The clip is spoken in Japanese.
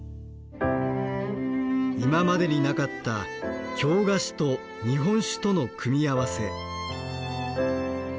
今までになかった京菓子と日本酒との組み合わせ。